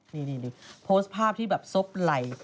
นี่โพสต์ภาพที่แบบซบไหล่